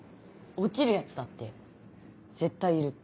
落ちるヤツだって絶対いるって。